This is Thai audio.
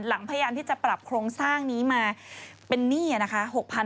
พยายามที่จะปรับโครงสร้างนี้มาเป็นหนี้นะคะ